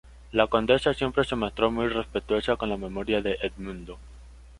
La condesa siempre se mostró muy respetuosa con la memoria de Edmundo.